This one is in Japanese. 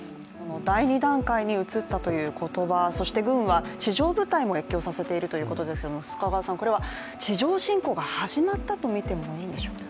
第２段階に移ったという言葉、そして軍は地上部隊も越境させているということですが、これは地上侵攻が始まったとみてもいいんでしょうか？